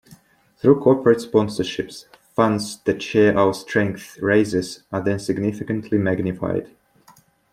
Through corporate sponsorships, funds that Share Our Strength raises are then significantly magnified.